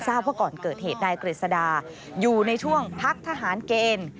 ว่าก่อนเกิดเหตุนายกฤษดาอยู่ในช่วงพักทหารเกณฑ์